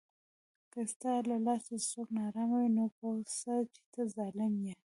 که ستا له لاسه څوک ناارام وي، نو پوه سه چې ته ظالم یې